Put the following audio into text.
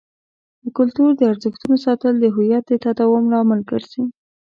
د کلتور د ارزښتونو ساتل د هویت د تداوم لامل ګرځي.